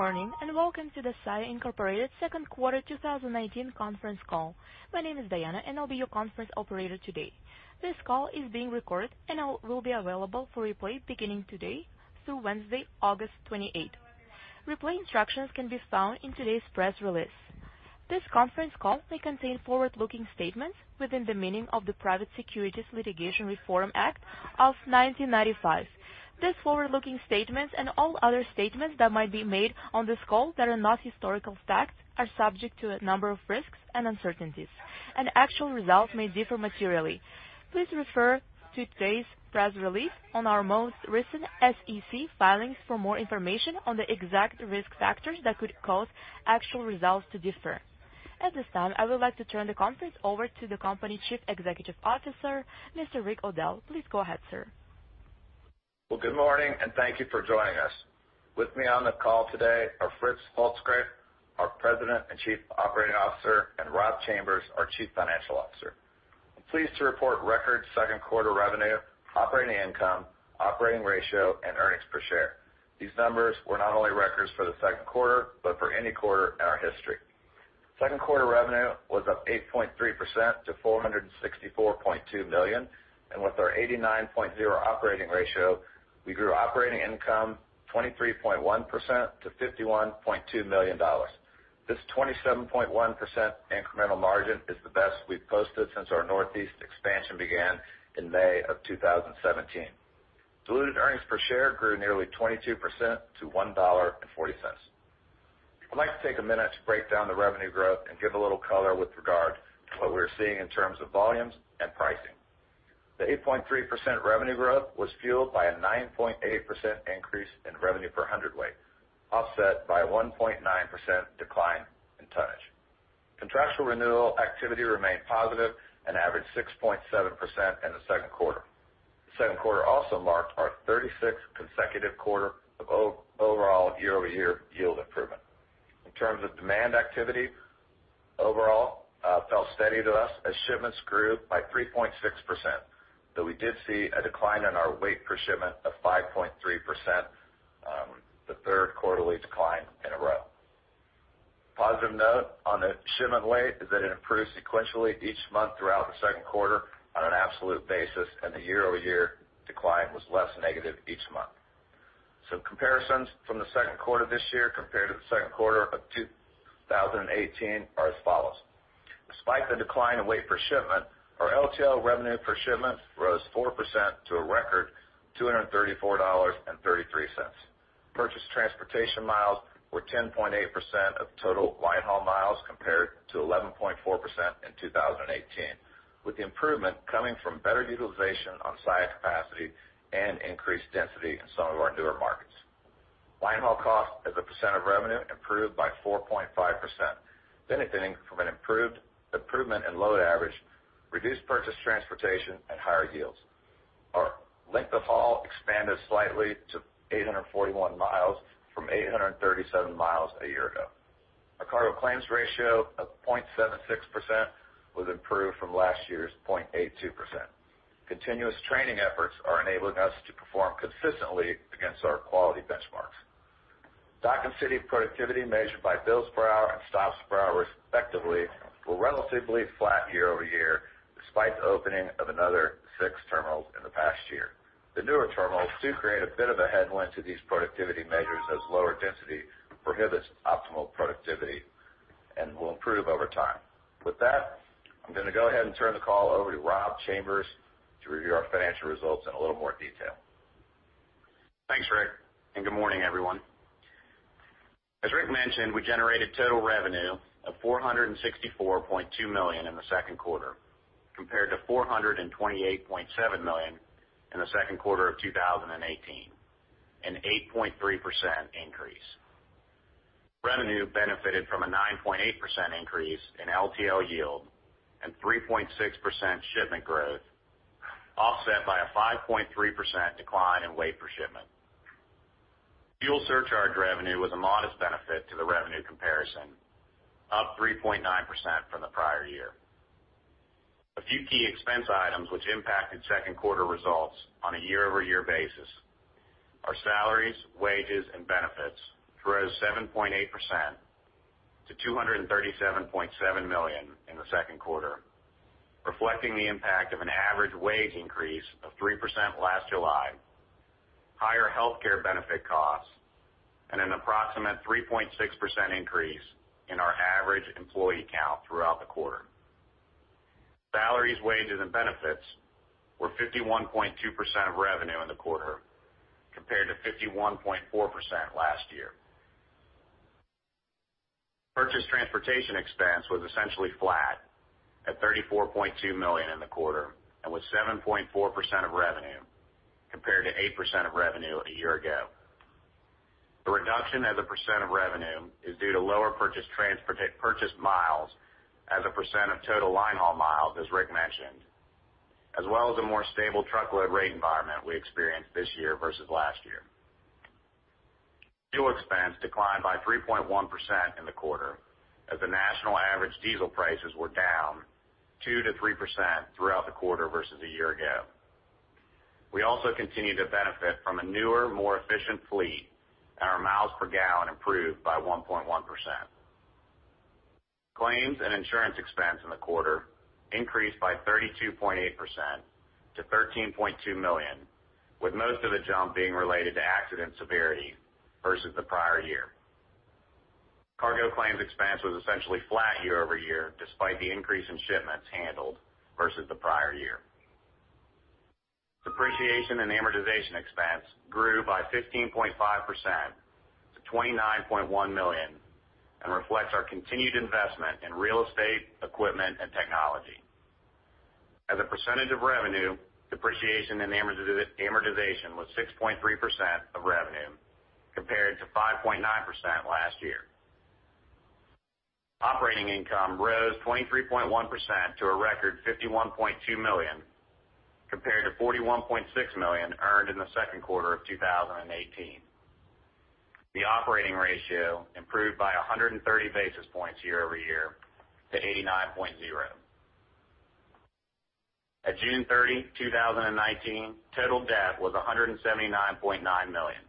Good morning, and welcome to the Saia, Inc. Second quarter 2019 conference call. My name is Diana, and I'll be your conference operator today. This call is being recorded and will be available for replay beginning today through Wednesday, August 28th. Replay instructions can be found in today's press release. This conference call may contain forward-looking statements within the meaning of the Private Securities Litigation Reform Act of 1995. These forward-looking statements, and all other statements that might be made on this call that are not historical facts, are subject to a number of risks and uncertainties. Actual results may differ materially. Please refer to today's press release on our most recent SEC filings for more information on the exact risk factors that could cause actual results to differ. At this time, I would like to turn the conference over to the company Chief Executive Officer, Mr. Rick O'Dell. Please go ahead, sir. Good morning, and thank you for joining us. With me on the call today are Fritz Holzgrefe, our President and Chief Operating Officer, and Rob Chambers, our Chief Financial Officer. I'm pleased to report record second quarter revenue, operating income, operating ratio, and earnings per share. These numbers were not only records for the second quarter, but for any quarter in our history. Second quarter revenue was up 8.3% to $464.2 million, and with our 89.0 operating ratio, we grew operating income 23.1% to $51.2 million. This 27.1% incremental margin is the best we've posted since our Northeast expansion began in May of 2017. Diluted earnings per share grew nearly 22% to $1.40. I'd like to take a minute to break down the revenue growth and give a little color with regard to what we're seeing in terms of volumes and pricing. The 8.3% revenue growth was fueled by a 9.8% increase in revenue per hundredweight, offset by a 1.9% decline in tonnage. Contractual renewal activity remained positive and averaged 6.7% in the second quarter. The second quarter also marked our 36th consecutive quarter of overall year-over-year yield improvement. In terms of demand activity, overall, fell steady to us as shipments grew by 3.6%, but we did see a decline in our weight per shipment of 5.3%, the third quarterly decline in a row. Positive note on the shipment weight is that it improved sequentially each month throughout the second quarter on an absolute basis, and the year-over-year decline was less negative each month. Some comparisons from the second quarter this year compared to the second quarter of 2018 are as follows. Despite the decline in weight per shipment, our LTL revenue per shipment rose 4% to a record $234.33. Purchased transportation miles were 10.8% of total line haul miles compared to 11.4% in 2018, with the improvement coming from better utilization on Saia capacity and increased density in some of our newer markets. Line haul cost as a percent of revenue improved by 4.5%, benefiting from an improvement in load average, reduced purchased transportation, and higher yields. Our length-of-haul expanded slightly to 841 miles from 837 miles a year ago. Our cargo claims ratio of 0.76% was improved from last year's 0.82%. Continuous training efforts are enabling us to perform consistently against our quality benchmarks. Dock and city productivity, measured by bills per hour and stops per hour respectively, were relatively flat year-over-year despite the opening of another six terminals in the past year. The newer terminals do create a bit of a headwind to these productivity measures as lower density prohibits optimal productivity and will improve over time. With that, I'm going to go ahead and turn the call over to Rob Chambers to review our financial results in a little more detail. Thanks, Rick. Good morning, everyone. As Rick mentioned, we generated total revenue of $464.2 million in the second quarter, compared to $428.7 million in the second quarter of 2018, an 8.3% increase. Revenue benefited from a 9.8% increase in LTL yield and 3.6% shipment growth, offset by a 5.3% decline in weight per shipment. Fuel surcharge revenue was a modest benefit to the revenue comparison, up 3.9% from the prior year. A few key expense items which impacted second quarter results on a year-over-year basis are salaries, wages, and benefits, which rose 7.8% to $237.7 million in the second quarter, reflecting the impact of an average wage increase of 3% last July, higher healthcare benefit costs, and an approximate 3.6% increase in our average employee count throughout the quarter. Salaries, wages, and benefits were 51.2% of revenue in the quarter, compared to 51.4% last year. Purchased transportation expense was essentially flat at $34.2 million in the quarter and was 7.4% of revenue, compared to 8% of revenue a year ago. The reduction as a percent of revenue is due to lower purchased miles as a percent of total line haul miles, as Rick mentioned, as well as a more stable truckload rate environment we experienced this year versus last year. Fuel expense declined by 3.1% in the quarter, as the national average diesel prices were down 2%-3% throughout the quarter versus a year ago. We also continue to benefit from a newer, more efficient fleet, and our miles per gallon improved by 1.1%. Claims and insurance expense in the quarter increased by 32.8% to $13.2 million, with most of the jump being related to accident severity versus the prior year. Cargo claims expense was essentially flat year-over-year, despite the increase in shipments handled versus the prior year. Depreciation and amortization expense grew by 15.5% to $29.1 million, and reflects our continued investment in real estate, equipment, and technology. As a percentage of revenue, depreciation and amortization was 6.3% of revenue, compared to 5.9% last year. Operating income rose 23.1% to a record $51.2 million, compared to $41.6 million earned in the second quarter of 2018. The operating ratio improved by 130 basis points year-over-year to 89.0%. At June 30, 2019, total debt was $179.9 million.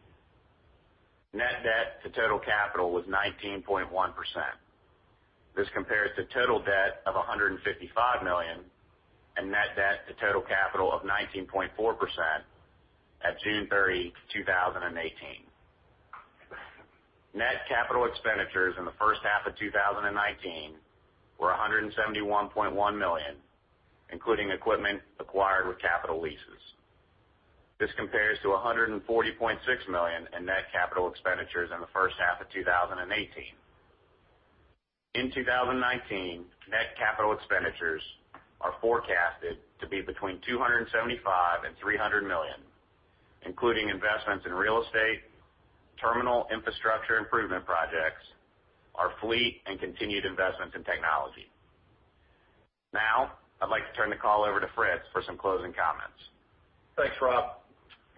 Net debt to total capital was 19.1%. This compares to total debt of $155 million and net debt to total capital of 19.4% at June 30, 2018. Net capital expenditures in the first half of 2019 were $171.1 million, including equipment acquired with capital leases. This compares to $140.6 million in net CapEx in the first half of 2018. In 2019, net CapEx are forecasted to be between $275 million-$300 million, including investments in real estate, terminal infrastructure improvement projects, our fleet, and continued investments in technology. I'd like to turn the call over to Fritz for some closing comments. Thanks, Rob.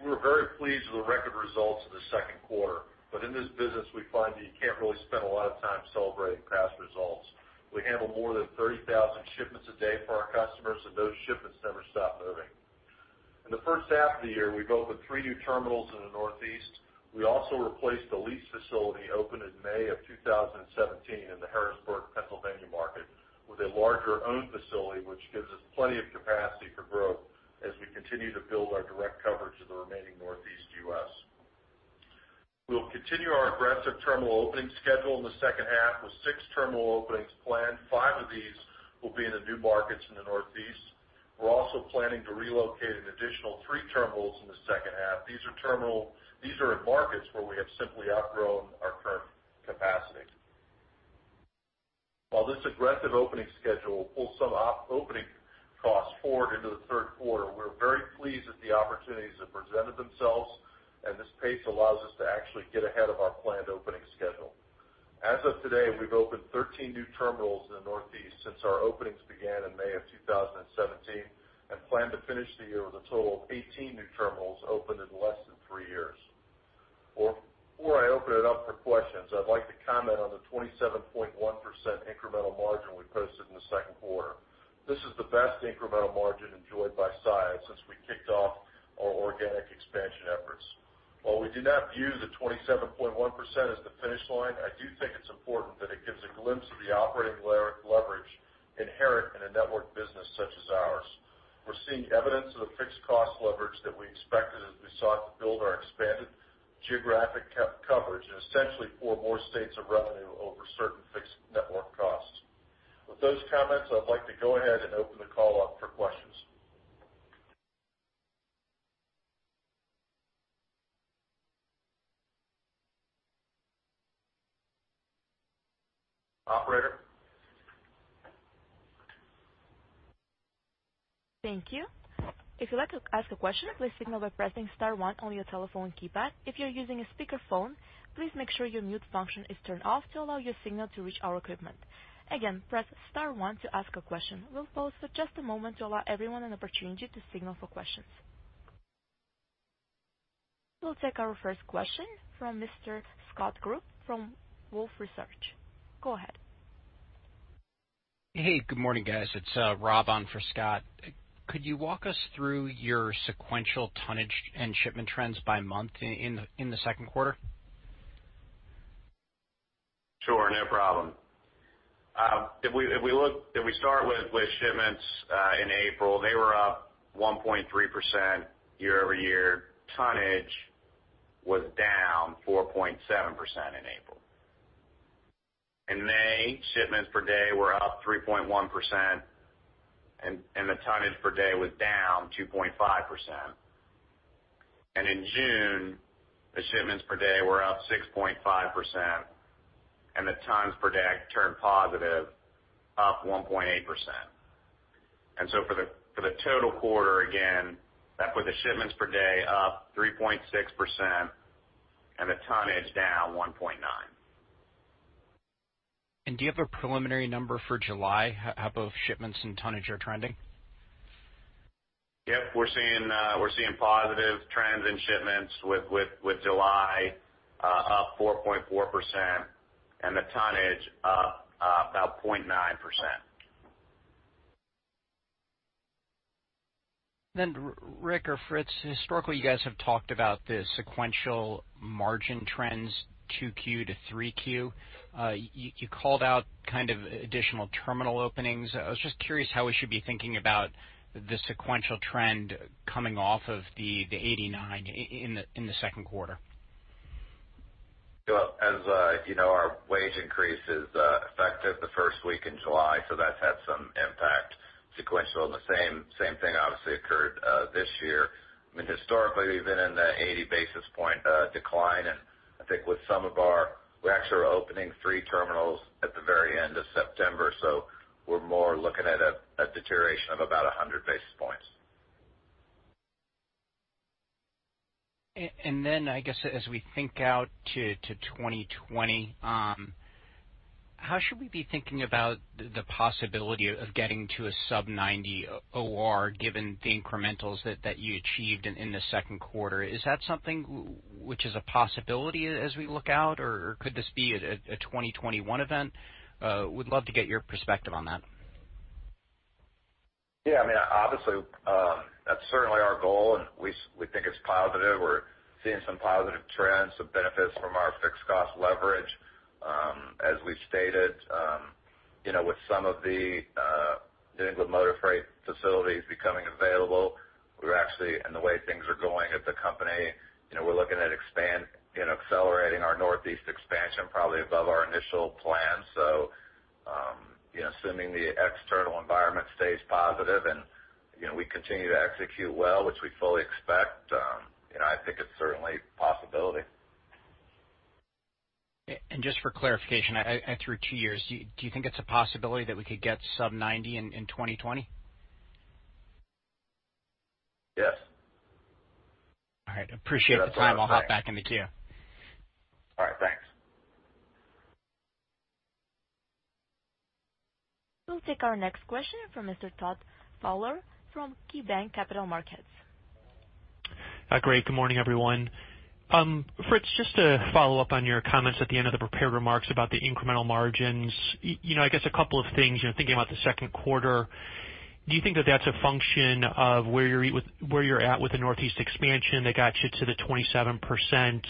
We're very pleased with the record results of the second quarter. In this business, we find that you can't really spend a lot of time celebrating past results. We handle more than 30,000 shipments a day for our customers, and those shipments never stop moving. In the first half of the year, we've opened three new terminals in the Northeast. We also replaced a lease facility opened in May of 2017 in the Harrisburg, Pennsylvania market with a larger owned facility, which gives us plenty of capacity for growth as we continue to build our direct coverage of the remaining Northeast U.S. We will continue our aggressive terminal opening schedule in the second half with six terminal openings planned. Five of these will be in the new markets in the Northeast. We're also planning to relocate an additional three terminals in the second half. These are in markets where we have simply outgrown our current capacity. While this aggressive opening schedule will pull some opening costs forward into the third quarter, we are very pleased that the opportunities have presented themselves, and this pace allows us to actually get ahead of our planned opening schedule. As of today, we've opened 13 new terminals in the Northeast since our openings began in May of 2017 and plan to finish the year with a total of 18 new terminals opened in less than three years. Before I open it up for questions, I'd like to comment on the 27.1% incremental margin we posted in the second quarter. This is the best incremental margin enjoyed by Saia since we kicked off our organic expansion efforts. While we do not view the 27.1% as the finish line, I do think it's important that it gives a glimpse of the operating leverage inherent in a network business such as ours. We're seeing evidence of the fixed cost leverage that we expected as we sought to build our expanded geographic coverage and essentially pull more states of revenue over certain fixed network costs. With those comments, I'd like to go ahead and open the call up for questions. Operator? Thank you. If you'd like to ask a question, please signal by pressing star one on your telephone keypad. If you're using a speakerphone, please make sure your mute function is turned off to allow your signal to reach our equipment. Again, press star one to ask a question. We'll pause for just a moment to allow everyone an opportunity to signal for questions. We'll take our first question from Mr. Scott Group from Wolfe Research. Go ahead. Hey, good morning, guys. It's Rob on for Scott. Could you walk us through your sequential tonnage and shipment trends by month in the second quarter? Sure. No problem. If we start with shipments in April, they were up 1.3% year-over-year. Tonnage was down 4.7% in April. In May, shipments per day were up 3.1%, and the tonnage per day was down 2.5%. In June, the shipments per day were up 6.5%, and the tons per day turned positive, up 1.8%. For the total quarter, again, that put the shipments per day up 3.6% and the tonnage down 1.9%. Do you have a preliminary number for July, how both shipments and tonnage are trending? Yep. We're seeing positive trends in shipments with July up 4.4% and the tonnage up about 0.9%. Rick or Fritz, historically you guys have talked about the sequential margin trends 2Q to 3Q. You called out additional terminal openings. I was just curious how we should be thinking about the sequential trend coming off of the 89% in the second quarter. Well, as you know, our wage increases affected the first week in July, so that's had some impact sequential. The same thing obviously occurred this year. Historically, we've been in the 80 basis point decline, and I think with some of our We actually are opening three terminals at the very end of September, so we're more looking at a deterioration of about 100 basis points. I guess, as we think out to 2020, how should we be thinking about the possibility of getting to a sub 90 OR, given the incrementals that you achieved in the second quarter? Is that something which is a possibility as we look out, or could this be a 2021 event? Would love to get your perspective on that. Obviously, that's certainly our goal, and we think it's positive. We're seeing some positive trends, some benefits from our fixed cost leverage. As we've stated, with some of the New England Motor Freight facilities becoming available, and the way things are going at the company, we're looking at accelerating our Northeast expansion probably above our initial plan. Assuming the external environment stays positive and we continue to execute well, which we fully expect, I think it's certainly a possibility. Just for clarification, through two years, do you think it's a possibility that we could get sub 90 in 2020? Yes. All right. Appreciate the time. That's what I think. I'll hop back in the queue. All right. Thanks. We'll take our next question from Mr. Todd Fowler from KeyBanc Capital Markets. Great. Good morning, everyone. Fritz, just to follow up on your comments at the end of the prepared remarks about the incremental margins. I guess a couple of things, thinking about the second quarter, do you think that that's a function of where you're at with the Northeast expansion that got you to the 27%?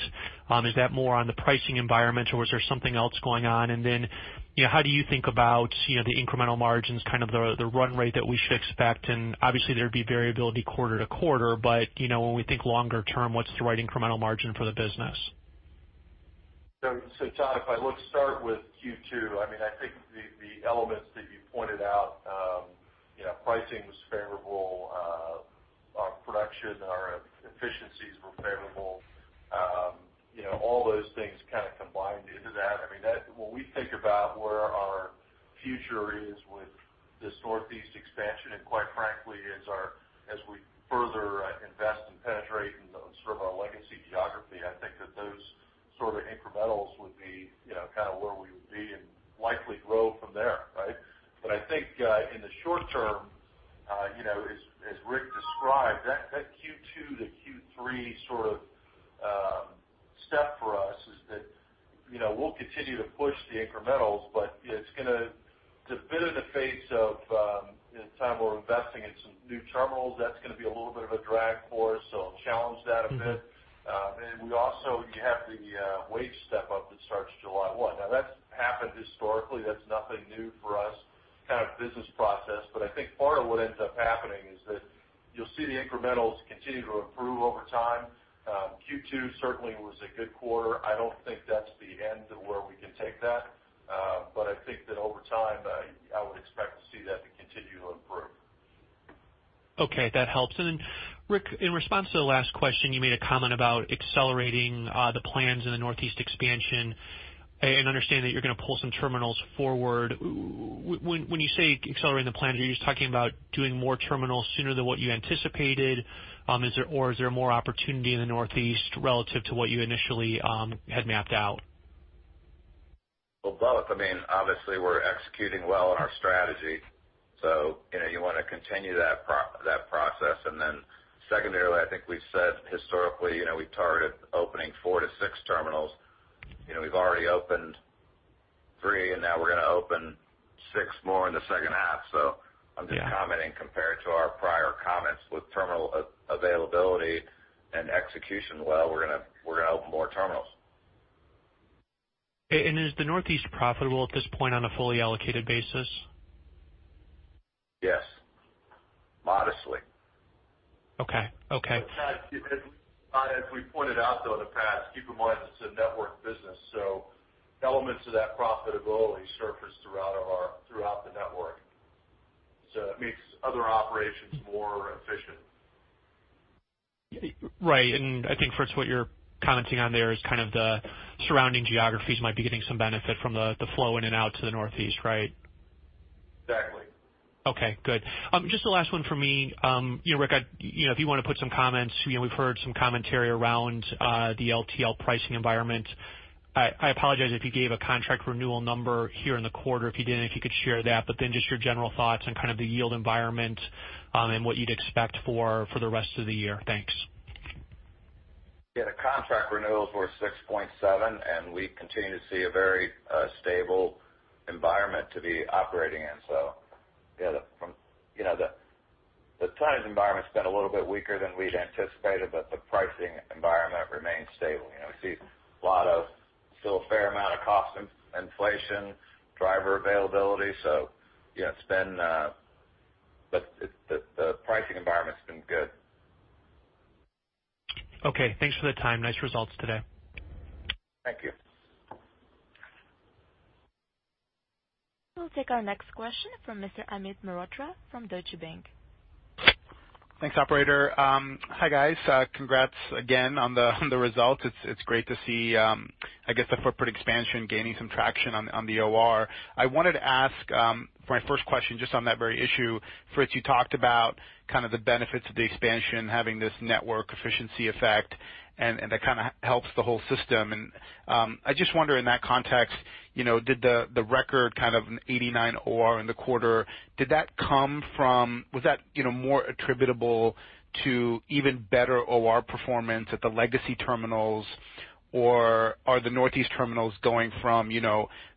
Is that more on the pricing environment, or was there something else going on? How do you think about the incremental margins, kind of the run rate that we should expect, and obviously there'd be variability quarter to quarter, but when we think longer term, what's the right incremental margin for the business? Todd, if I look to start with Q2, I think the elements that you pointed out, pricing was favorable. Our production, our efficiencies were favorable. All those things kind of combined into that. We think about where our future is with this Northeast expansion, and quite frankly, as we further invest and penetrate in sort of our legacy geography, I think that those sort of incrementals would be kind of where we would be and likely grow from there. Right? I think in the short term, as Rick described, that Q2 to Q3 sort of step for us is that we'll continue to push the incrementals, but it's going to a bit of the face of the time we're investing in some new terminals. That's going to be a little bit of a drag for us, so it'll challenge that a bit. We also have the wage step up that starts July 1. Now that's happened historically. That's nothing new for us, kind of business process. I think part of what ends up happening is that you'll see the incrementals continue to improve over time. Q2 certainly was a good quarter. I don't think that's the end of where we can take that. I think that over time, I would expect to see that to continue to improve. Okay. That helps. Rick, in response to the last question, you made a comment about accelerating the plans in the Northeast expansion. I understand that you're going to pull some terminals forward. When you say accelerating the plan, are you just talking about doing more terminals sooner than what you anticipated? Is there more opportunity in the Northeast relative to what you initially had mapped out? Well, both. Obviously we're executing well in our strategy, so you want to continue that process. Secondarily, I think we've said historically we targeted opening four to six terminals. We've already opened three, and now we're going to open six more in the second half. I'm just commenting compared to our prior comments with terminal availability and execution well, we're going to open more terminals. Is the Northeast profitable at this point on a fully allocated basis? Yes. Modestly. Okay. Todd, as we pointed out, though, in the past, keep in mind it's a network business, so elements of that profitability surface throughout the network. It makes other operations more efficient. Right. I think, Fritz, what you're commenting on there is kind of the surrounding geographies might be getting some benefit from the flow in and out to the Northeast, right? Exactly. Okay, good. Just the last one for me. Rick, if you want to put some comments, we've heard some commentary around the LTL pricing environment. I apologize if you gave a contract renewal number here in the quarter. If you didn't, if you could share that, but then just your general thoughts on kind of the yield environment, and what you'd expect for the rest of the year. Thanks. Yeah. The contract renewals were 6.7, and we continue to see a very stable environment to be operating in. Yeah, the tonnage environment's been a little bit weaker than we'd anticipated, but the pricing environment remains stable. We see still a fair amount of cost inflation, driver availability. The pricing environment's been good. Okay, thanks for the time. Nice results today. Thank you. We'll take our next question from Mr. Amit Mehrotra from Deutsche Bank. Thanks, operator. Hi, guys. Congrats again on the results. It's great to see, I guess, the footprint expansion gaining some traction on the OR. I wanted to ask, for my first question, just on that very issue. Fritz, you talked about kind of the benefits of the expansion, having this network efficiency effect, and that kind of helps the whole system. I just wonder in that context, the record kind of an 89 OR in the quarter. Was that more attributable to even better OR performance at the legacy terminals, or are the Northeast terminals going from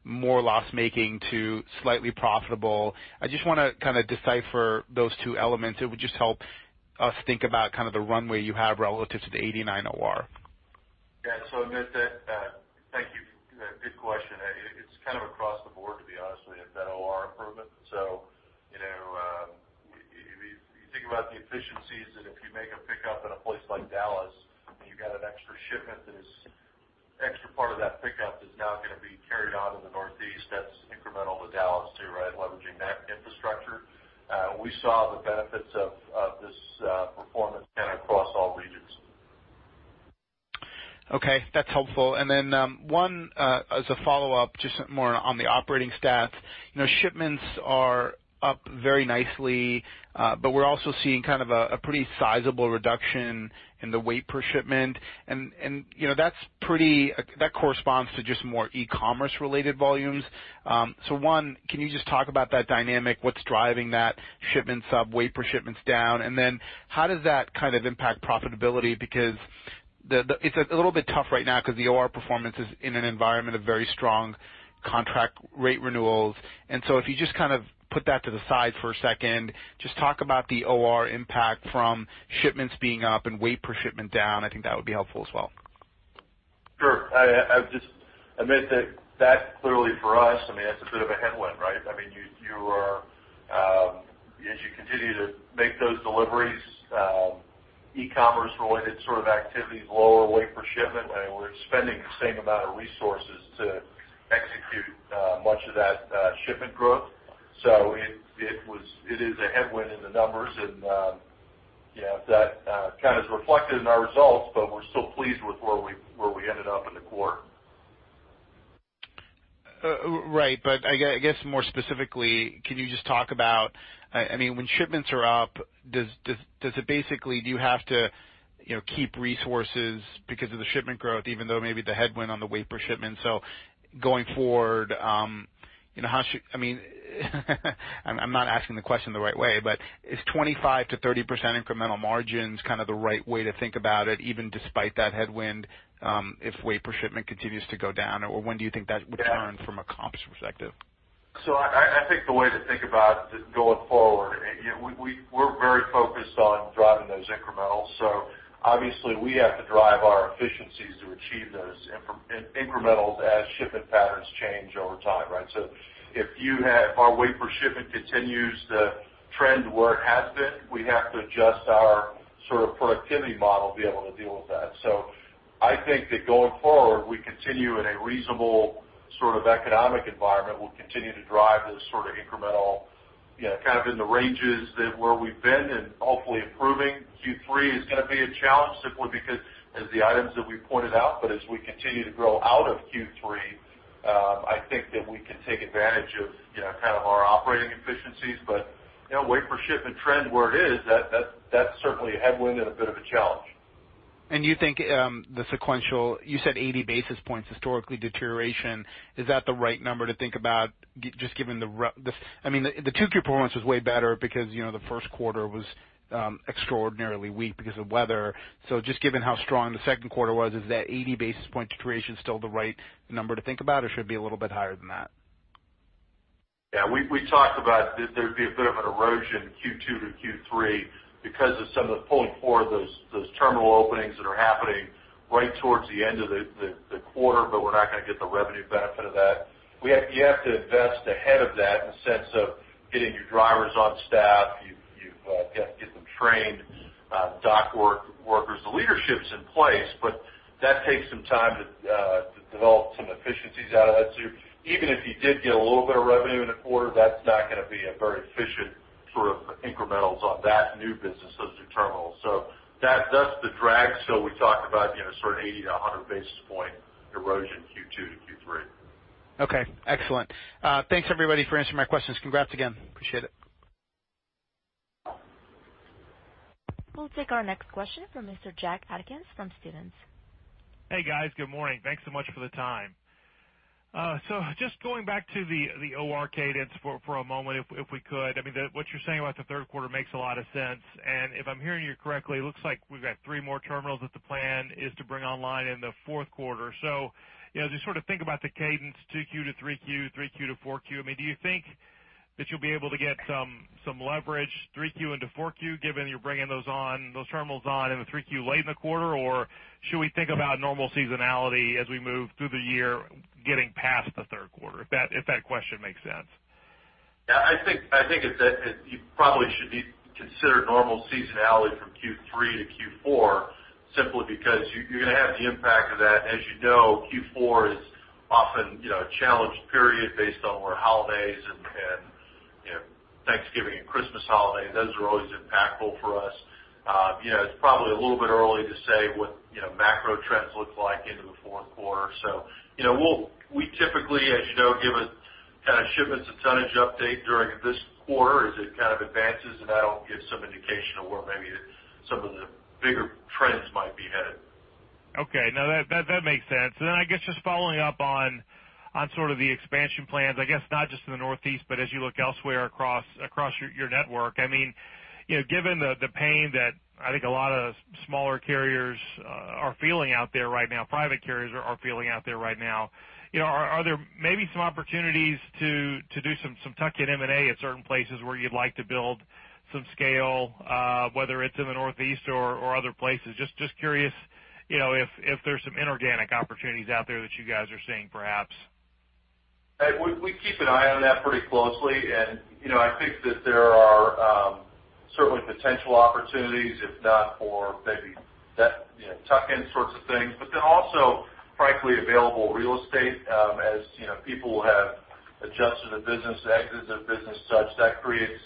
more loss-making to slightly profitable? I just want to kind of decipher those two elements. It would just help us think about the runway you have relative to the 89 OR. Amit, thank you. Good question. It's kind of across the board, to be honest with you, that OR improvement. If you think about the efficiencies that if you make a pickup in a place like Dallas and you've got an extra shipment that is extra part of that pickup is now going to be carried on in the Northeast, that's incremental to Dallas, too, right? Leveraging that infrastructure. We saw the benefits of this performance across all regions. Okay, that's helpful. One as a follow-up, just more on the operating stats. Shipments are up very nicely but we're also seeing kind of a pretty sizable reduction in the weight per shipment. That corresponds to just more e-commerce related volumes. One, can you just talk about that dynamic? What's driving that shipment sub, weight per shipment's down? How does that kind of impact profitability? Because it's a little bit tough right now because the OR performance is in an environment of very strong contract rate renewals. If you just kind of put that to the side for a second, just talk about the OR impact from shipments being up and weight per shipment down. I think that would be helpful as well. Sure. Amit, that clearly for us, I mean, that's a bit of a headwind, right? I mean, as you continue to make those deliveries e-commerce related sort of activities, lower weight per shipment, and we're spending the same amount of resources to execute much of that shipment growth. It is a headwind in the numbers and that kind of is reflected in our results, but we're still pleased with where we ended up in the quarter. Right. I guess more specifically, can you just talk about, I mean, when shipments are up, basically do you have to keep resources because of the shipment growth even though maybe the headwind on the weight per shipment? Going forward, I'm not asking the question the right way, is 25%-30% incremental margins kind of the right way to think about it, even despite that headwind if weight per shipment continues to go down? When do you think that would turn from a comps perspective? I think the way to think about going forward, we're very focused on driving those incrementals. Obviously we have to drive our efficiencies to achieve those incrementals as shipment patterns change over time, right? If our weight per shipment continues to trend where it has been, we have to adjust our sort of productivity model to be able to deal with that. I think that going forward, we continue in a reasonable sort of economic environment. We'll continue to drive those sort of incremental kind of in the ranges where we've been and hopefully improving. Q3 is going to be a challenge simply because as the items that we pointed out, but as we continue to grow out of Q3, I think that we can take advantage of our operating efficiencies. Weight per shipment trend where it is, that's certainly a headwind and a bit of a challenge. Do you think the sequential, you said 80 basis points historically deterioration? Is that the right number to think about? I mean, the Q2 performance was way better because the first quarter was extraordinarily weak because of weather. Just given how strong the second quarter was, is that 80 basis point deterioration still the right number to think about, or should it be a little bit higher than that? Yeah. We talked about there'd be a bit of an erosion Q2 to Q3 because of some of the pulling forward those terminal openings that are happening right towards the end of the quarter, but we're not going to get the revenue benefit of that. You have to invest ahead of that in the sense of getting your drivers on staff. You've got to get them trained, dock workers. The leadership's in place, but that takes some time to develop some efficiencies out of that, too. Even if you did get a little bit of revenue in a quarter, that's not going to be a very efficient sort of incrementals on that new business, those two terminals. That's the drag. We talked about sort of 80 to 100 basis point erosion Q2 to Q3. Okay. Excellent. Thanks everybody for answering my questions. Congrats again. Appreciate it. We'll take our next question from Mr. Jack Atkins from Stephens. Hey, guys. Good morning. Thanks so much for the time. Just going back to the OR cadence for a moment, if we could. What you're saying about the third quarter makes a lot of sense. If I'm hearing you correctly, it looks like we've got three more terminals that the plan is to bring online in the fourth quarter. Just sort of think about the cadence, 2Q to 3Q to 4Q. Do you think that you'll be able to get some leverage 3Q into 4Q, given you're bringing those terminals on in the 3Q late in the quarter? Should we think about normal seasonality as we move through the year, getting past the third quarter? If that question makes sense. Yeah, I think you probably should consider normal seasonality from Q3 to Q4, simply because you're going to have the impact of that. As you know, Q4 is often a challenged period based on holidays and Thanksgiving and Christmas holiday. Those are always impactful for us. It's probably a little bit early to say what macro trends look like into the fourth quarter. We typically, as you know, give a kind of shipments to tonnage update during this quarter as it kind of advances, and that'll give some indication of where maybe some of the bigger trends might be headed. Okay. No, that makes sense. Then I guess just following up on sort of the expansion plans, I guess not just in the Northeast, but as you look elsewhere across your network. Given the pain that I think a lot of smaller carriers are feeling out there right now, private carriers are feeling out there right now, are there maybe some opportunities to do some tuck-in M&A at certain places where you'd like to build some scale, whether it's in the Northeast or other places? Just curious if there's some inorganic opportunities out there that you guys are seeing, perhaps. We keep an eye on that pretty closely. I think that there are certainly potential opportunities, if not for maybe tuck-in sorts of things, also, frankly, available real estate. As people have adjusted a business, exited business such, that creates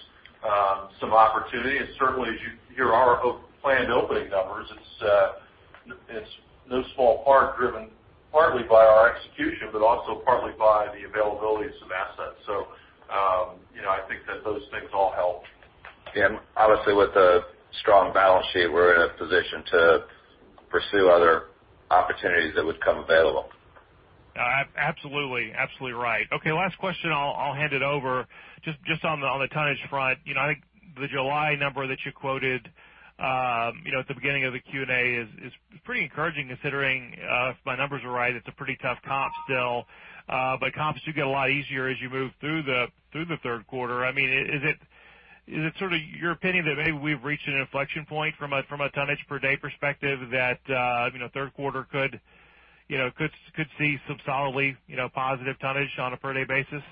some opportunity. Certainly as you hear our planned opening numbers, it's no small part driven partly by our execution, but also partly by the availability of some assets. I think that those things all help. Obviously with a strong balance sheet, we're in a position to pursue other opportunities that would come available. Absolutely right. Okay, last question, I'll hand it over. Just on the tonnage front, I think the July number that you quoted at the beginning of the Q&A is pretty encouraging considering, if my numbers are right, it's a pretty tough comp still. Comps do get a lot easier as you move through the third quarter. Is it sort of your opinion that maybe we've reached an inflection point from a tonnage per day perspective that third quarter could see some solidly positive tonnage on a per day basis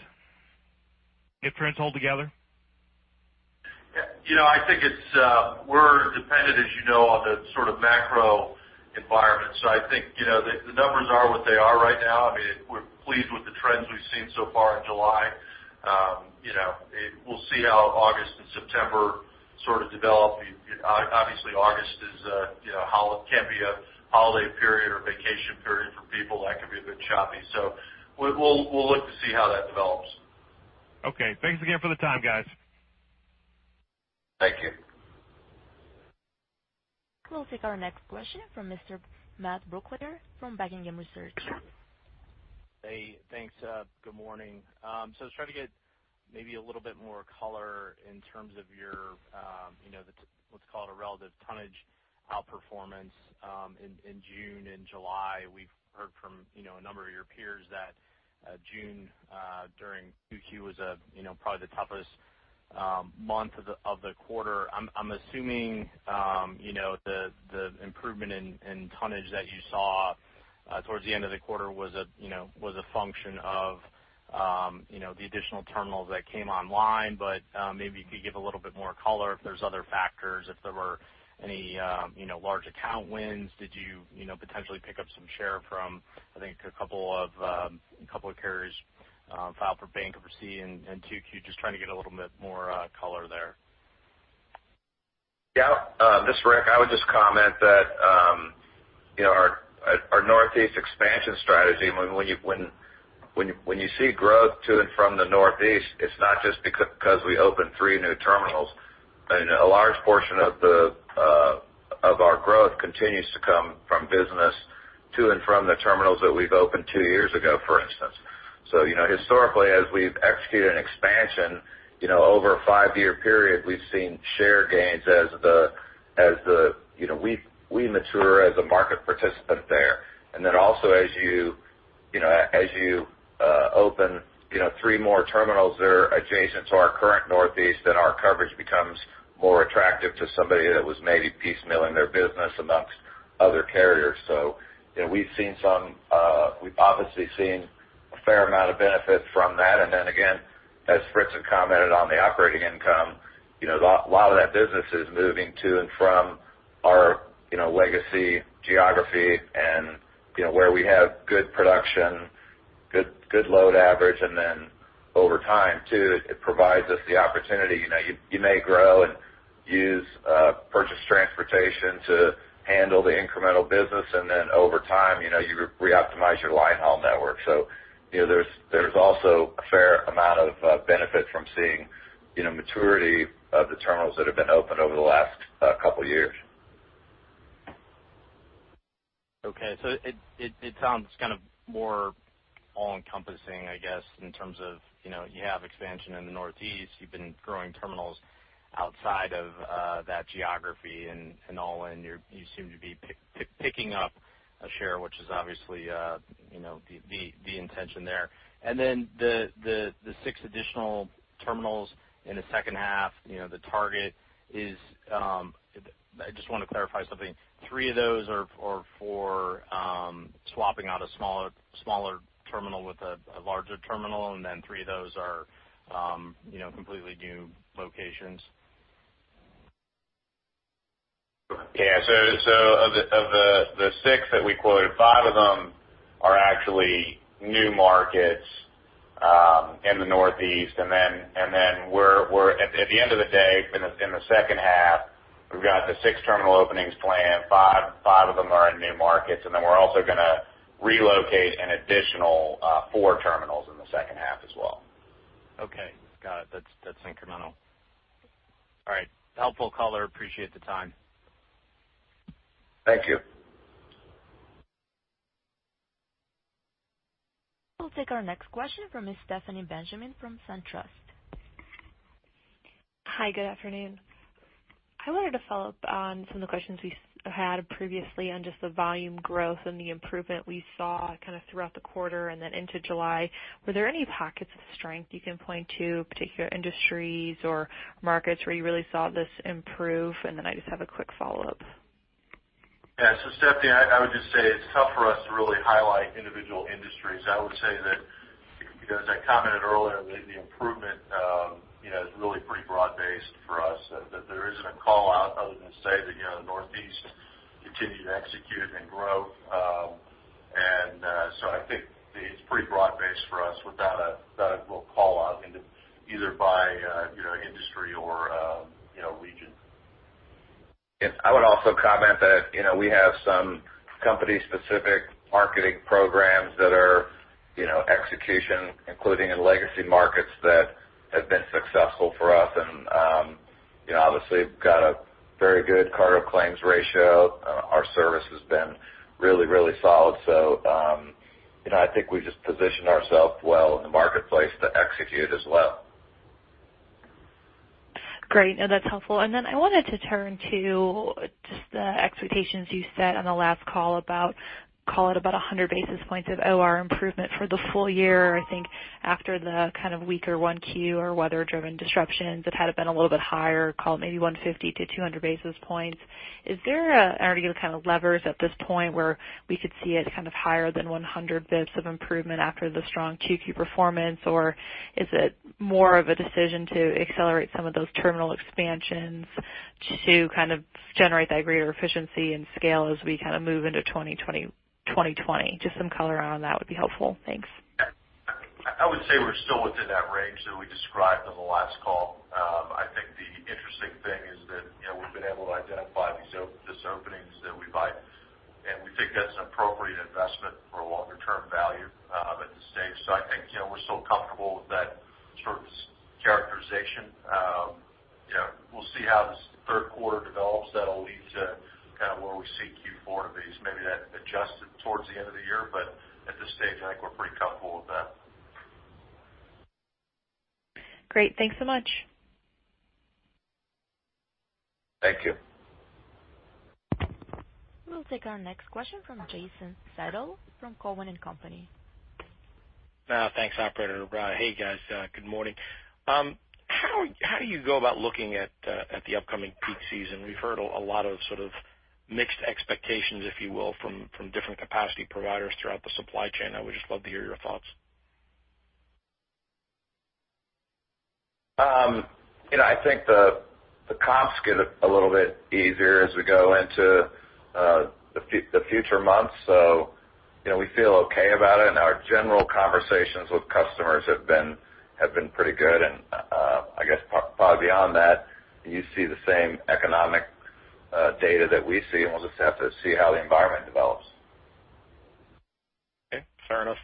if trends hold together? I think we're dependent, as you know, on the sort of macro environment. I think the numbers are what they are right now. We're pleased with the trends we've seen so far in July. We'll see how August and September sort of develop. Obviously August can be a holiday period or vacation period for people. That could be a bit choppy. We'll look to see how that develops. Okay. Thanks again for the time, guys. Thank you. We'll take our next question from Mr. Matt Brooklier from Buckingham Research. Hey, thanks. Good morning. I was trying to get maybe a little bit more color in terms of your, let's call it a relative tonnage outperformance in June and July. We've heard from a number of your peers that June during 2Q was probably the toughest month of the quarter. I'm assuming the improvement in tonnage that you saw towards the end of the quarter was a function of the additional terminals that came online. Maybe you could give a little bit more color if there's other factors, if there were any large account wins. Did you potentially pick up some share from, I think a couple of carriers filed for bankruptcy in 2Q? Just trying to get a little bit more color there. This is Rick. I would just comment that our Northeast expansion strategy, when you see growth to and from the Northeast, it's not just because we opened three new terminals. A large portion of our growth continues to come from business to and from the terminals that we've opened two years ago, for instance. Historically, as we've executed an expansion over a five-year period, we've seen share gains as we mature as a market participant there. Also as you open three more terminals that are adjacent to our current Northeast, then our coverage becomes more attractive to somebody that was maybe piecemealing their business amongst other carriers. We've obviously seen a fair amount of benefit from that. Then again, as Fritz had commented on the operating income, a lot of that business is moving to and from our legacy geography and where we have good production, good load average. Then over time too, it provides us the opportunity. You may grow and use purchased transportation to handle the incremental business, and then over time you reoptimize your line haul network. There's also a fair amount of benefit from seeing maturity of the terminals that have been opened over the last couple of years. Okay. It sounds kind of more all-encompassing, I guess, in terms of you have expansion in the Northeast, you've been growing terminals outside of that geography, and all in, you seem to be picking up a share, which is obviously the intention there. The six additional terminals in the second half, the target is, I just want to clarify something. Three of those are for swapping out a smaller terminal with a larger terminal, and then three of those are completely new locations? Yeah. Of the six that we quoted, five of them are actually new markets in the Northeast. At the end of the day, in the second half, we've got the six terminal openings planned. Five of them are in new markets, we're also going to relocate an additional four terminals in the second half as well. Okay. Got it. That's incremental. All right. Helpful color. Appreciate the time. Thank you. We'll take our next question from Ms. Stephanie Benjamin from SunTrust. Hi, good afternoon. I wanted to follow up on some of the questions we had previously on just the volume growth and the improvement we saw kind of throughout the quarter and then into July. Were there any pockets of strength you can point to, particular industries or markets where you really saw this improve? Then I just have a quick follow-up. Yeah. Stephanie, I would just say it's tough for us to really highlight individual industries. I would say that, as I commented earlier, the improvement is really pretty broad-based for us, that there isn't a call-out other than to say that the Northeast continued to execute and grow. I think it's pretty broad-based for us without a real call-out into either by industry or region. I would also comment that we have some company-specific marketing programs that are execution, including in legacy markets that have been successful for us. Obviously, we've got a very good cargo claims ratio. Our service has been really solid. I think we've just positioned ourselves well in the marketplace to execute as well. Great. No, that's helpful. I wanted to turn to just the expectations you set on the last call about, call it about 100 basis points of OR improvement for the full year. I think after the kind of weaker Q1 or weather-driven disruptions that had been a little bit higher, call it maybe 150-200 basis points. Is there any kind of levers at this point where we could see it kind of higher than 100 basis points of improvement after the strong Q2 performance? Or is it more of a decision to accelerate some of those terminal expansions to kind of generate that greater efficiency and scale as we kind of move into 2020? Just some color on that would be helpful. Thanks. I would say we're still within that range that we described on the last call. I think the interesting thing is that we've been able to identify these openings. We think that's an appropriate investment for longer-term value at this stage. I think we're still comfortable with that sort of characterization. We'll see how this third quarter develops. That'll lead to kind of where we see Q4 to be. Maybe that adjusted towards the end of the year, but at this stage, I think we're pretty comfortable with that. Great. Thanks so much. Thank you. We'll take our next question from Jason Seidl from Cowen and Company. Thanks, operator. Hey, guys. Good morning. How do you go about looking at the upcoming peak season? We've heard a lot of sort of mixed expectations, if you will, from different capacity providers throughout the supply chain. I would just love to hear your thoughts. I think the comps get a little bit easier as we go into the future months. We feel okay about it, and our general conversations with customers have been pretty good. I guess probably beyond that, you see the same economic data that we see, and we'll just have to see how the environment develops. Okay. Fair enough.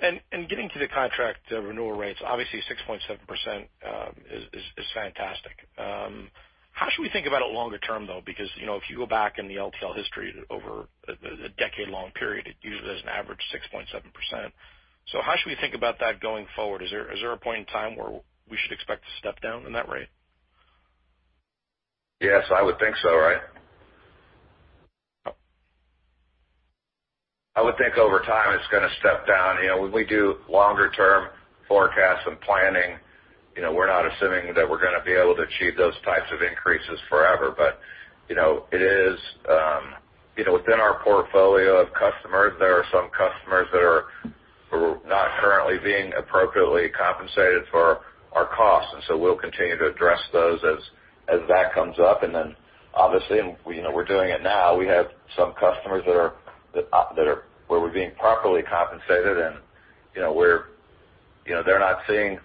Getting to the contract renewal rates, obviously 6.7% is fantastic. How should we think about it longer term, though? Because if you go back in the LTL history over a decade-long period, it usually has an average 6.7%. How should we think about that going forward? Is there a point in time where we should expect to step down in that rate? Yes, I would think so, right? I would think over time it's going to step down. When we do longer-term forecasts and planning, we're not assuming that we're going to be able to achieve those types of increases forever. Within our portfolio of customers, there are some customers that are not currently being appropriately compensated for our costs, and so we'll continue to address those as that comes up. Obviously, we're doing it now. We have some customers where we're being properly compensated, and they're not seeing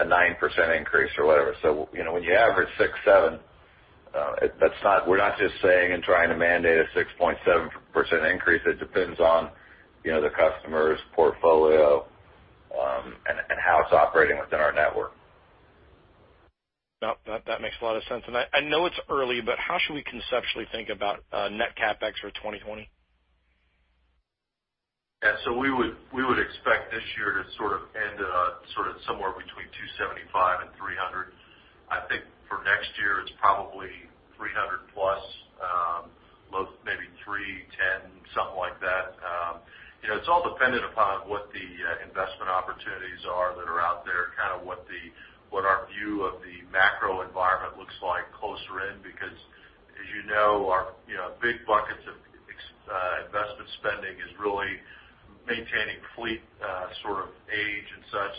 a 9% increase or whatever. When you average six, seven, we're not just saying and trying to mandate a 6.7% increase. It depends on the customer's portfolio, and how it's operating within our network. That makes a lot of sense. I know it's early, but how should we conceptually think about net CapEx for 2020? Yeah. We would expect this year to end somewhere between $275 and $300. I think for next year, it's probably $300+, maybe $310, something like that. It's all dependent upon what the investment opportunities are that are out there, what our view of the macro environment looks like closer in, because as you know, our big buckets of investment spending is really maintaining fleet age and such.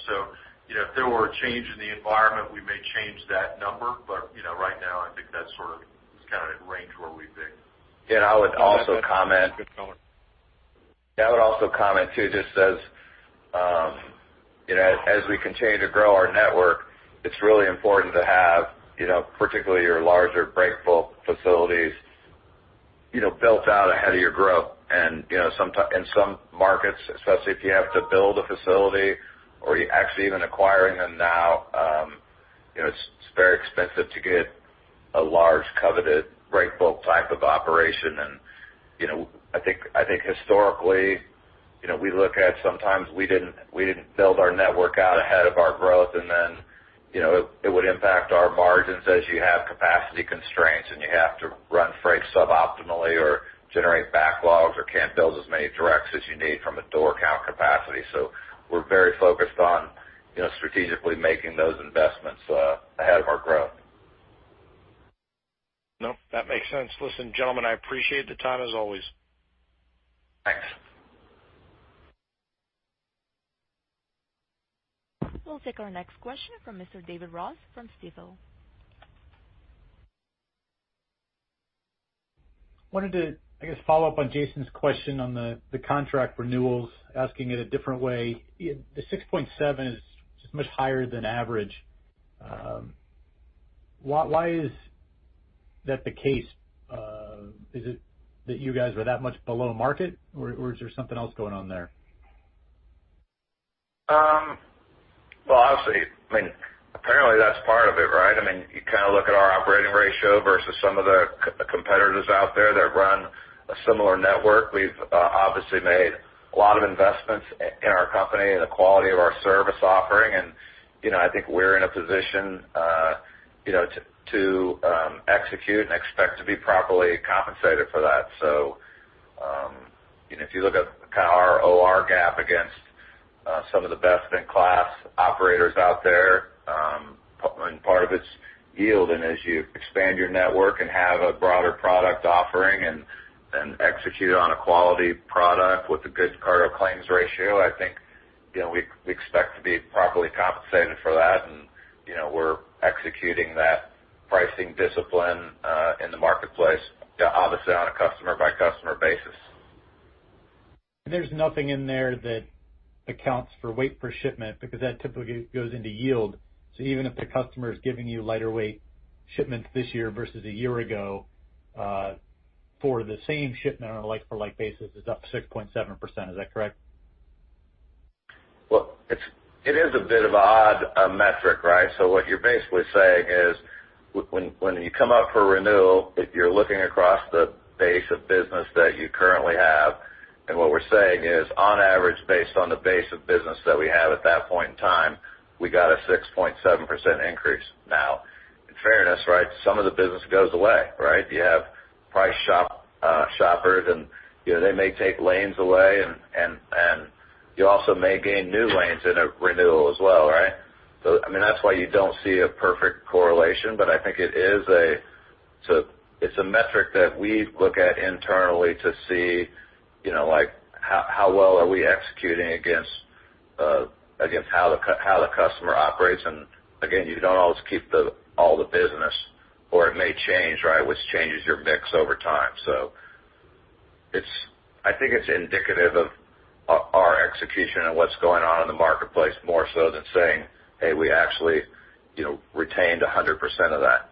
If there were a change in the environment, we may change that number. Right now, I think that range is where we think. Yeah, I would also comment. That's good color. Yeah, I would also comment too, just as we continue to grow our network, it's really important to have particularly your larger break bulk facilities built out ahead of your growth. In some markets, especially if you have to build a facility or you're actually even acquiring them now, it's very expensive to get a large coveted break bulk type of operation. I think historically, we look at sometimes we didn't build our network out ahead of our growth, then it would impact our margins as you have capacity constraints, and you have to run freight suboptimally or generate backlogs or can't build as many directs as you need from a door count capacity. We're very focused on strategically making those investments ahead of our growth. No, that makes sense. Listen, gentlemen, I appreciate the time as always. Thanks. We'll take our next question from Mr. David Ross from Stifel. wanted to, I guess, follow up on Jason's question on the contract renewals, asking it a different way. The 6.7 is just much higher than average. Why is that the case? Is it that you guys were that much below market, or is there something else going on there? Well, obviously, apparently that's part of it, right? You look at our operating ratio versus some of the competitors out there that run a similar network. We've obviously made a lot of investments in our company and the quality of our service offering, and I think we're in a position to execute and expect to be properly compensated for that. If you look at our OR gap against some of the best-in-class operators out there, and part of it's yield. As you expand your network and have a broader product offering and execute on a quality product with a good cargo claims ratio, I think we expect to be properly compensated for that, and we're executing that pricing discipline in the marketplace, obviously on a customer-by-customer basis. There's nothing in there that accounts for weight per shipment because that typically goes into yield. Even if the customer is giving you lighter weight shipments this year versus a year ago, for the same shipment on a like for like basis, it's up 6.7%. Is that correct? It is a bit of an odd metric, right? What you're basically saying is when you come up for renewal, you're looking across the base of business that you currently have. What we're saying is on average, based on the base of business that we have at that point in time, we got a 6.7% increase. In fairness, right, some of the business goes away, right? You have price shoppers, they may take lanes away, and you also may gain new lanes in a renewal as well, right? That's why you don't see a perfect correlation, but I think it's a metric that we look at internally to see how well are we executing against how the customer operates. Again, you don't always keep all the business, or it may change, right, which changes your mix over time. I think it's indicative of our execution and what's going on in the marketplace more so than saying, hey, we actually retained 100% of that.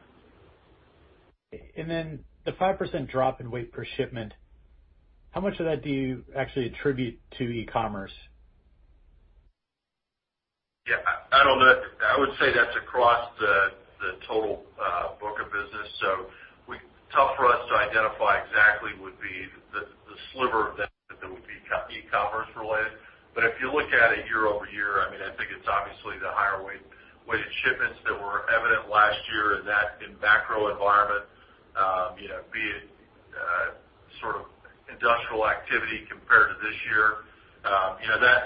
The 5% drop in weight per shipment, how much of that do you actually attribute to e-commerce? Yeah, I would say that's across the total book of business. Tough for us to identify exactly would be the sliver of that would be e-commerce related. If you look at it year-over-year, I think it's obviously the higher-weighted shipments that were evident last year in that macro environment, be it industrial activity compared to this year.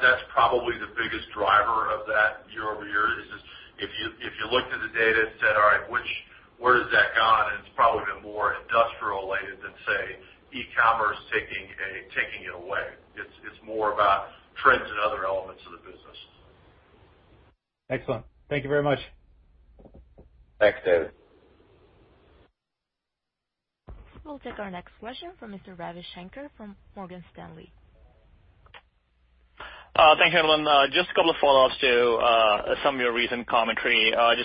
That's probably the biggest driver of that year-over-year is just if you looked at the data and said, all right, where has that gone? It's probably been more industrial related than, say, e-commerce taking it away. It's more about trends and other elements of the business. Excellent. Thank you very much. Thanks, David. We'll take our next question from Mr. Ravi Shanker from Morgan Stanley. Thank you, Evelyn. A couple of follow-ups to some of your recent commentary. On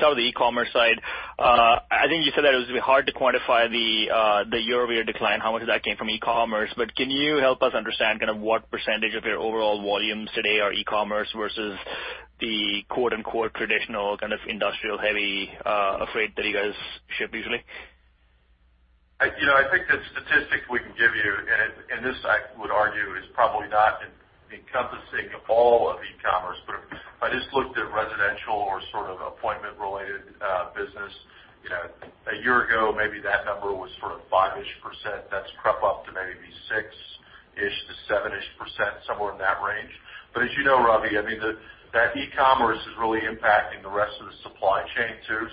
some of the e-commerce side, I think you said that it was hard to quantify the year-over-year decline, how much of that came from e-commerce. Can you help us understand what percentage of your overall volumes today are e-commerce versus the "traditional" kind of industrial-heavy freight that you guys ship usually? I think the statistics we can give you, and this I would argue is probably not encompassing all of e-commerce, but if I just looked at residential or sort of appointment-related business, a year ago, maybe that number was sort of five-ish%. That's crept up to maybe six-ish to seven-ish%, somewhere in that range. As you know, Ravi, that e-commerce is really impacting the rest of the supply chain, too.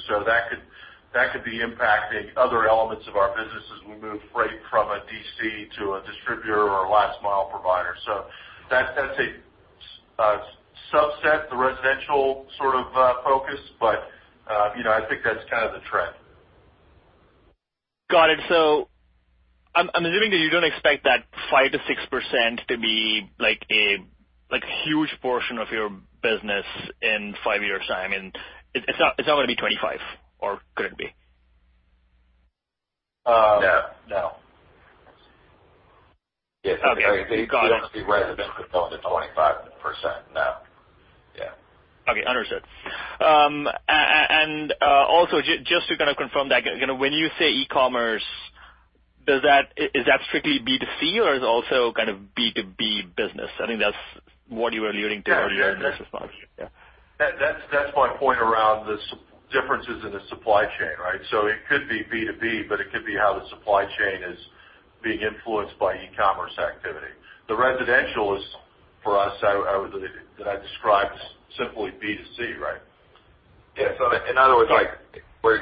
That could be impacting other elements of our business as we move freight from a DC to a distributor or a last mile provider. That's a subset, the residential sort of focus, but I think that's kind of the trend. Got it. I'm assuming that you don't expect that 5%-6% to be a huge portion of your business in five years' time, and it's not going to be 25%, or could it be? No. No. Okay. Got it. The residential could go to 25% now. Yeah. Okay, understood. Also just to kind of confirm that, when you say e-commerce, is that strictly B2C or is it also kind of B2B business? I think that's what you were alluding to earlier in this response. Yeah. That's my point around the differences in the supply chain, right? It could be B2B, it could be how the supply chain is being influenced by e-commerce activity. The residential is for us, that I described, is simply B2C, right? Yeah. In other words, where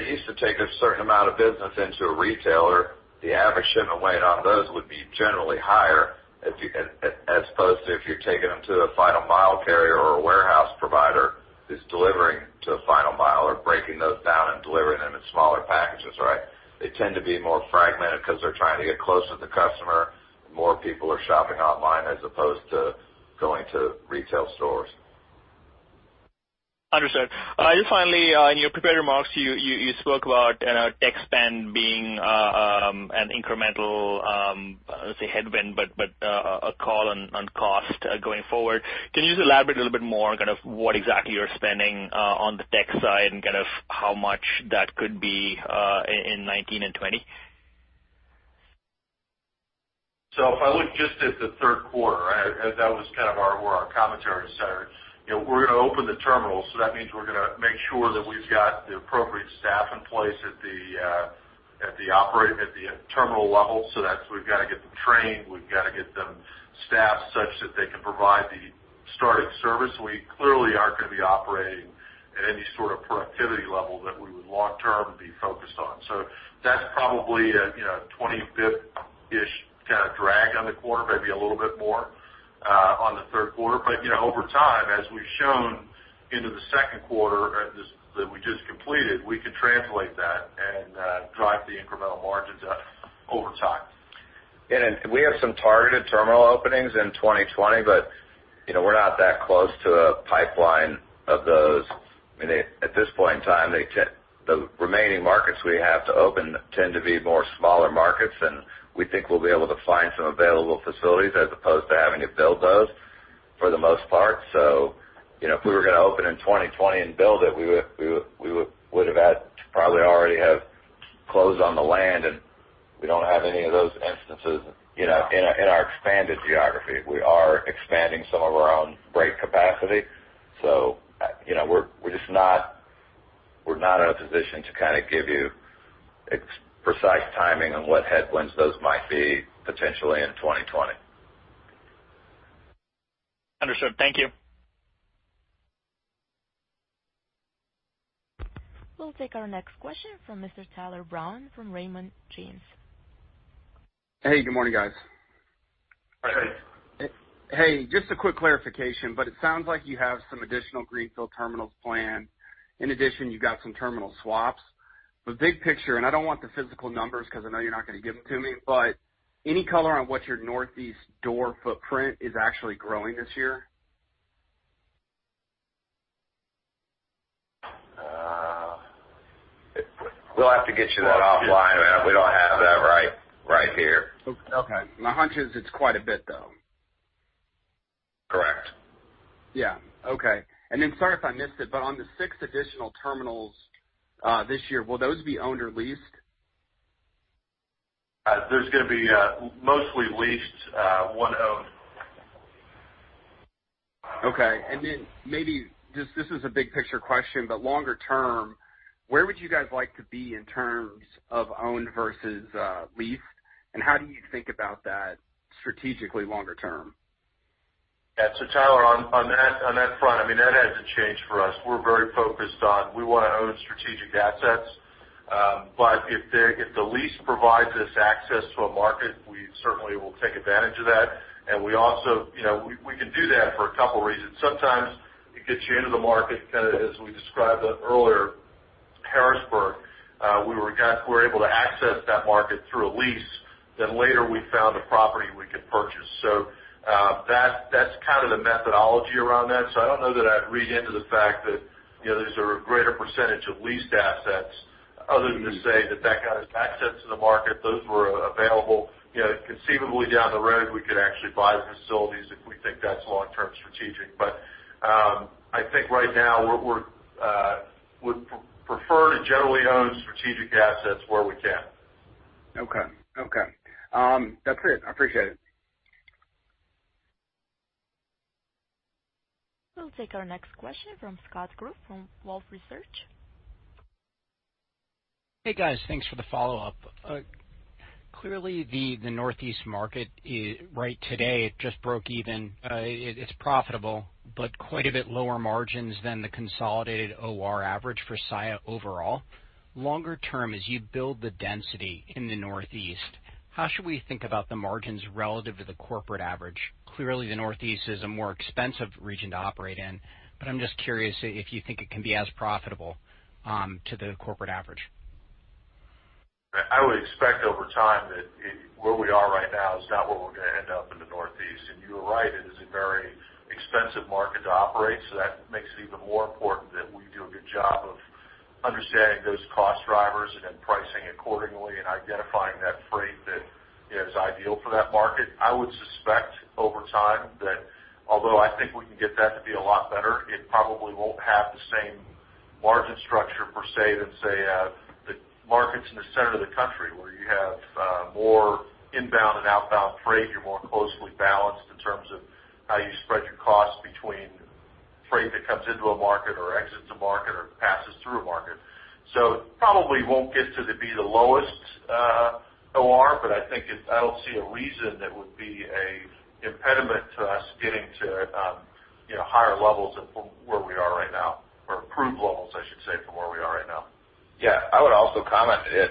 you used to take a certain amount of business into a retailer, the average shipment weight on those would be generally higher as opposed to if you're taking them to a final mile carrier or a warehouse provider who's delivering to a final mile or breaking those down and delivering them in smaller packages, right? They tend to be more fragmented because they're trying to get closer to the customer. More people are shopping online as opposed to going to retail stores. Understood. Just finally, in your prepared remarks, you spoke about tech spend being an incremental, I would say headwind, but a call on cost going forward. Can you just elaborate a little bit more on what exactly you're spending on the tech side and how much that could be in 2019 and 2020? If I look just at the third quarter, that was kind of where our commentary is centered. We're going to open the terminal, that means we're going to make sure that we've got the appropriate staff in place at the terminal level. That's we've got to get them trained, we've got to get them staffed such that they can provide the start of service. We clearly aren't going to be operating at any sort of productivity level that we would long term be focused on. That's probably a 20 bps-ish kind of drag on the quarter, maybe a little bit more on the third quarter. Over time, as we've shown into the second quarter that we just completed, we could translate that and drive the incremental margins up over time. We have some targeted terminal openings in 2020, but we're not that close to a pipeline of those. At this point in time, the remaining markets we have to open tend to be more smaller markets, and we think we'll be able to find some available facilities as opposed to having to build those for the most part. If we were going to open in 2020 and build it, we would have had probably already have closed on the land, and we don't have any of those instances in our expanded geography. We are expanding some of our own break bulk capacity. We're just not in a position to kind of give you precise timing on what headwinds those might be potentially in 2020. Understood. Thank you. We'll take our next question from Mr. Tyler Brown from Raymond James. Hey, good morning, guys. Hey. Hey. Hey, just a quick clarification. It sounds like you have some additional greenfield terminals planned. In addition, you've got some terminal swaps. Big picture, and I don't want the physical numbers because I know you're not going to give them to me, but any color on what your Northeast door footprint is actually growing this year? We'll have to get you that offline. We don't have that right here. Okay. My hunch is it's quite a bit, though. Correct. Yeah. Okay. Sorry if I missed it, but on the six additional terminals this year, will those be owned or leased? There's going to be mostly leased, one owned. Okay. Then maybe, this is a big picture question, but longer term, where would you guys like to be in terms of owned versus leased, and how do you think about that strategically longer term? Yeah. Tyler, on that front, that hasn't changed for us. We're very focused on, we want to own strategic assets. If the lease provides us access to a market, we certainly will take advantage of that. We can do that for a couple of reasons. Sometimes it gets you into the market, kind of as we described earlier, Harrisburg. We were able to access that market through a lease, then later we found a property we could purchase. Part of the methodology around that. I don't know that I'd read into the fact that these are a greater percentage of leased assets other than to say that that got us access to the market. Those were available. Conceivably down the road, we could actually buy the facilities if we think that's long-term strategic. I think right now we would prefer to generally own strategic assets where we can. Okay. That's it. I appreciate it. We'll take our next question from Scott Group from Wolfe Research. Hey, guys. Thanks for the follow-up. Clearly the Northeast market right today, it just broke even. It's profitable, but quite a bit lower margins than the consolidated OR average for Saia overall. Longer term, as you build the density in the Northeast, how should we think about the margins relative to the corporate average? Clearly, the Northeast is a more expensive region to operate in, but I'm just curious if you think it can be as profitable to the corporate average. I would expect over time that where we are right now is not where we're going to end up in the Northeast. You are right, it is a very expensive market to operate. That makes it even more important that we do a good job of understanding those cost drivers and then pricing accordingly and identifying that freight that is ideal for that market. I would suspect over time that although I think we can get that to be a lot better, it probably won't have the same margin structure per se than, say, the markets in the center of the country where you have more inbound and outbound freight. You're more closely balanced in terms of how you spread your costs between freight that comes into a market or exits a market or passes through a market. It probably won't get to be the lowest OR, but I don't see a reason that would be an impediment to us getting to higher levels of where we are right now or improved levels, I should say, from where we are right now. Yeah. I would also comment, if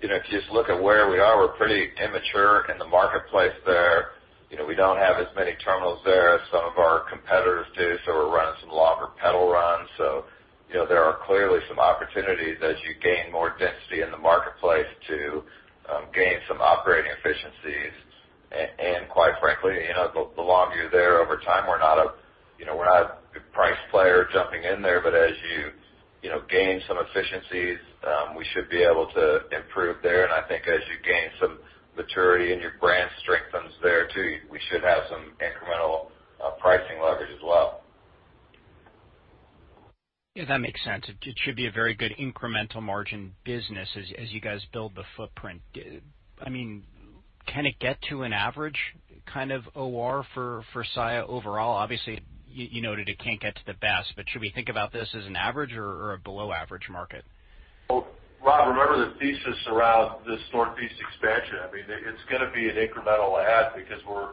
you just look at where we are, we're pretty immature in the marketplace there. We don't have as many terminals there as some of our competitors do, so we're running some longer peddle runs. There are clearly some opportunities as you gain more density in the marketplace to gain some operating efficiencies. Quite frankly, the longer you're there over time, we're not a price player jumping in there, but as you gain some efficiencies, we should be able to improve there. I think as you gain some maturity and your brand strengthens there too, we should have some incremental pricing leverage as well. Yeah, that makes sense. It should be a very good incremental margin business as you guys build the footprint. Can it get to an average kind of OR for Saia overall? Obviously, you noted it can't get to the best, but should we think about this as an average or a below average market? Rob, remember the thesis around this Northeast expansion. It's going to be an incremental add because we're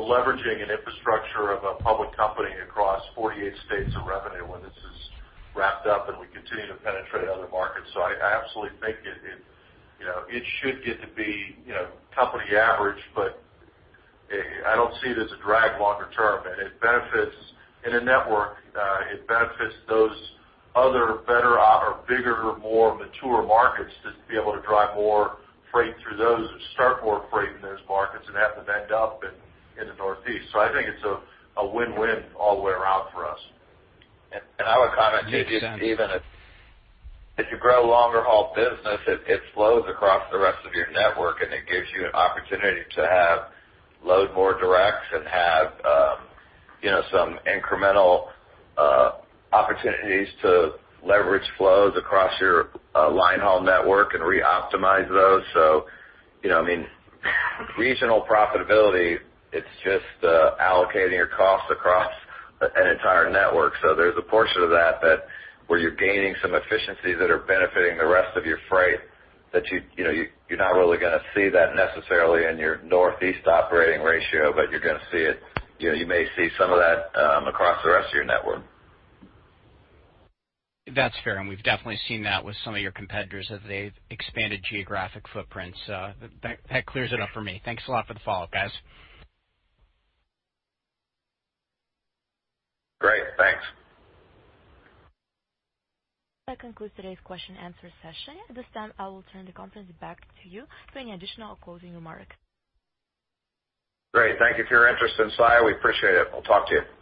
leveraging an infrastructure of a public company across 48 states of revenue when this is wrapped up and we continue to penetrate other markets. I absolutely think it should get to be company average, but I don't see it as a drag longer term. In a network, it benefits those other better or bigger, more mature markets just to be able to drive more freight through those or start more freight in those markets and have them end up in the Northeast. I think it's a win-win all the way around for us. I would comment too- Makes sense. even as you grow longer haul business, it flows across the rest of your network, and it gives you an opportunity to have load more directs and have some incremental opportunities to leverage flows across your line haul network and re-optimize those. Regional profitability, it's just allocating your costs across an entire network. There's a portion of that where you're gaining some efficiencies that are benefiting the rest of your freight that you're not really going to see that necessarily in your Northeast operating ratio, but you may see some of that across the rest of your network. That's fair, and we've definitely seen that with some of your competitors as they've expanded geographic footprints. That clears it up for me. Thanks a lot for the follow-up, guys. Great, thanks. That concludes today's question and answer session. At this time, I will turn the conference back to you for any additional closing remarks. Great. Thank you for your interest in Saia. We appreciate it. I'll talk to you.